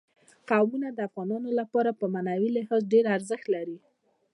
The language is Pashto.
قومونه د افغانانو لپاره په معنوي لحاظ ډېر زیات ارزښت لري.